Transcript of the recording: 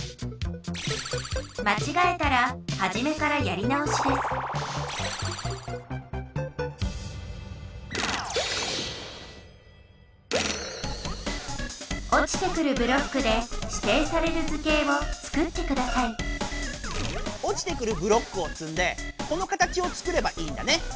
まちがえたらはじめからやり直しですおちてくるブロックでしていされる図形をつくってくださいおちてくるブロックをつんでこの形をつくればいいんだね。